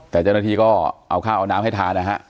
แต่เจ้อะหน้าทีก็เอาน้ำให้ทาน